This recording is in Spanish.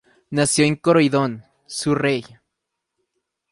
Nació en Croydon, Surrey.